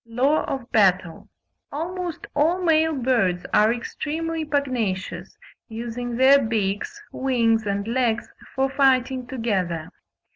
LAW OF BATTLE. Almost all male birds are extremely pugnacious, using their beaks, wings, and legs for fighting together.